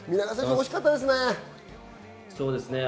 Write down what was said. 惜しかったですね。